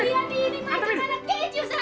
ini macam anak keju saja